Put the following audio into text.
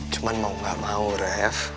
cuma mau gak mau ref